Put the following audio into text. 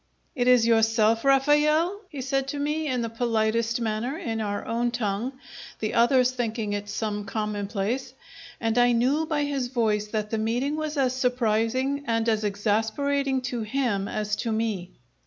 "It is yourself, Raffaele?" he said to me, in the politest manner, in our own tongue, the others thinking it some commonplace, and I knew by his voice that the meeting was as surprising and as exasperating to him as to me.